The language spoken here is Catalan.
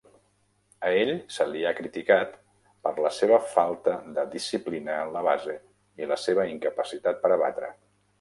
A ell se li ha criticat per la seva falta de disciplina en la base i la seva incapacitat per a batre.